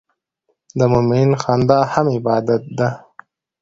د مؤمن خندا هم عبادت ده.